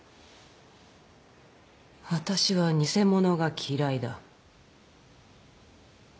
私は偽物が嫌いだ。